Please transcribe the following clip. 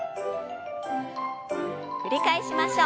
繰り返しましょう。